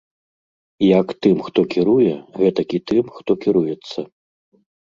Як тым, хто кіруе, гэтак і тым, хто кіруецца.